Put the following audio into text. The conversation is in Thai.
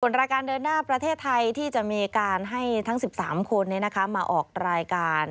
รายการเดินหน้าประเทศไทยที่จะมีการให้ทั้ง๑๓คนมาออกรายการ